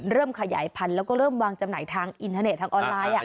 เริ่มขยายพันแล้วก็เริ่มวางจำหน่ายทางอินเนสออนไลน์